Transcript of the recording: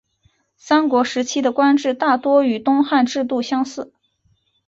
三国时期的官制大多与东汉制度类似。